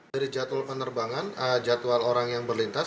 dari jadwal penerbangan jadwal orang yang berlintas